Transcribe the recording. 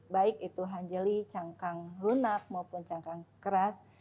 baik itu anjali cangkang runak maupun cangkang keras